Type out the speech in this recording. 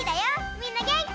みんなげんき？